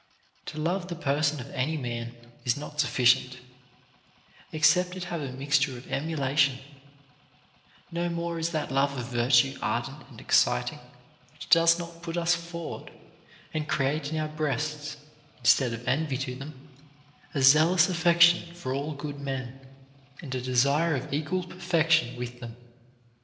To love the person of any man is not sufficient, except it have a mixture of emulation ; no more is that love of virtue ardent and exciting, which does not put us forward, and create in our breasts (instead of envy to them) a zeal ous affection for all good men, and a desire of equal per fection with them.